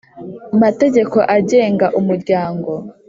Mategeko agenga umuryango